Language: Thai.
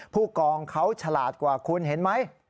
ผู้กองเขาฉลาดกว่าคุณเห็นไหม